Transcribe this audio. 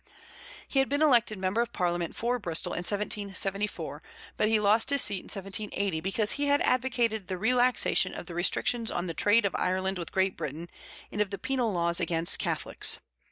He had been elected member of parliament for Bristol in 1774, but he lost his seat in 1780 because he had advocated the relaxation of the restrictions on the trade of Ireland with Great Britain and of the penal laws against Catholics.